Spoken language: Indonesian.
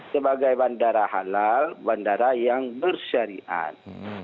sebagai bandara halal bandara yang bersyariat